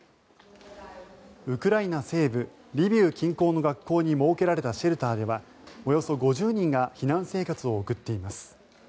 ウクライナ西部リビウ近郊の学校に設けられたシェルターではおよそ５０人が避難生活を送っています。